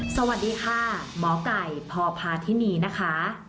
สวัสดีค่ะหมอไก่พพาธินีนะคะ